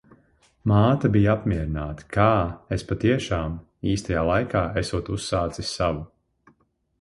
Māte bija apmierināta, kā es patiešām, īstajā laikā esot uzsācis savu.